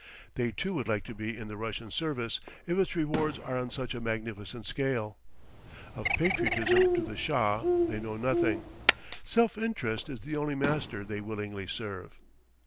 They too would like to be in the Russian service if its rewards are on such a magnificent scale. Of patriotism to the Shah they know nothing self interest is the only master they willingly serve.